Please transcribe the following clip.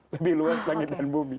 lebih luas langit dan bumi